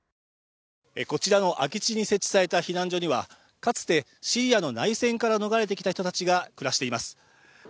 こちらの空き地に設置された避難所には、かつてシリアの内戦から逃れてきた人たちが暮らしています。